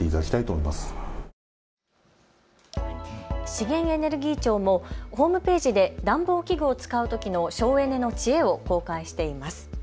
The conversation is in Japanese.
資源エネルギー庁もホームページで暖房器具を使うときの省エネの知恵を公開しています。